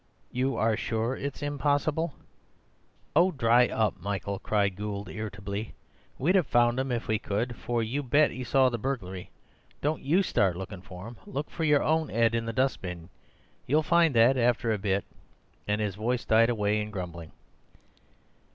"You are sure it's impossible?" "Oh dry up, Michael," cried Gould, irritably. "We'd 'ave found 'im if we could, for you bet 'e saw the burglary. Don't YOU start looking for 'im. Look for your own 'ead in the dustbin. You'll find that—after a bit," and his voice died away in grumbling.